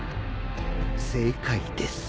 正解です。